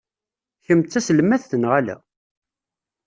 Kemm d taselmadt neɣ ala?